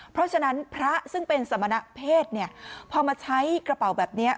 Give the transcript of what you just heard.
เพราะฉะนั้นพระซึ่งเป็นสมณะเพศเนี่ยพอมาใช้กระเป๋าแบบนี้